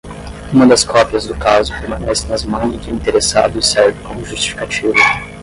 Uma das cópias do caso permanece nas mãos do interessado e serve como justificativa.